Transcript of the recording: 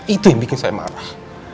itu yang bikin saya marah